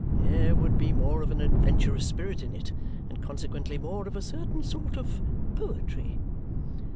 There would be more of an adventurous spirit in it, and consequently more of a certain sort of poetry."